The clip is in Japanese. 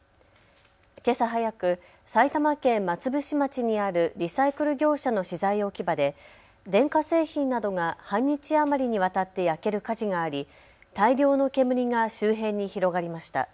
けさ早く、埼玉県松伏町にあるリサイクル業者の資材置き場で電化製品などが半日余りにわたって焼ける火事があり大量の煙が周辺に広がりました。